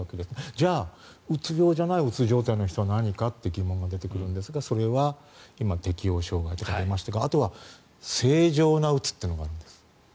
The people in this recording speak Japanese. じゃあ、うつ病じゃないうつ状態の人は何かという疑問が出てくるんですがそれは今、適応障害とかありましたがあとは、正常なうつというのがあるんです。